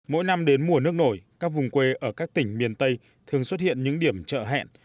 mỗi năm đến mùa nước nổi các vùng quê ở các tỉnh miền tây thường xuất hiện những điểm chợ hẹn